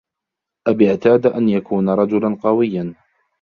أبي اعتاد أن يكون رجلاً قوياً.